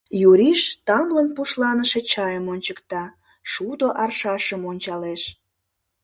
— Юриш тамлын пушланыше чайым ончыкта, шудо аршашым ончалеш.